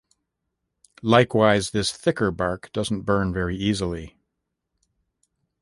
Likewise, this thicker bark doesn't burn very easily.